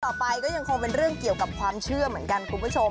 ต่อไปก็ยังคงเป็นเรื่องเกี่ยวกับความเชื่อเหมือนกันคุณผู้ชม